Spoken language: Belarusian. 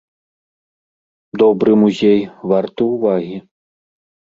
Добры музей, варты ўвагі.